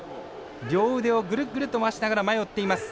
両腕をぐるぐると回しながら前を追っています。